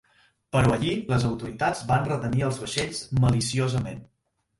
Però allí les autoritats van retenir els vaixells maliciosament.